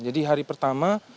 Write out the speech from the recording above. jadi hari pertama